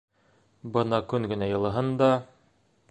Бына көн генә йылыһын да...